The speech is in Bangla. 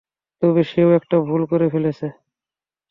তবে সেও একটা ভুল করে ফেলেছে।